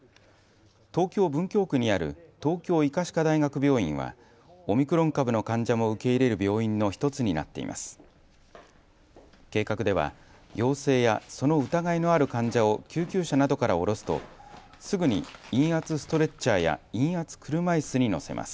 東京文京区にある東京医科歯科大学病院はオミクロン株の患者も受け入れる病院の１つになっています。